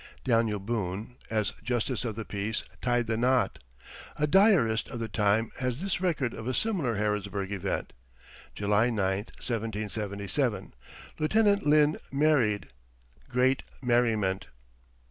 Daniel Boone, as justice of the peace, tied the knot. A diarist of the time has this record of a similar Harrodsburg event: "July 9, 1777. Lieutenant Linn married great merriment."